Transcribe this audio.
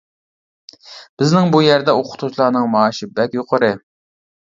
بىزنىڭ بۇ يەردە ئوقۇتقۇچىلارنىڭ مائاشى بەك يۇقىرى.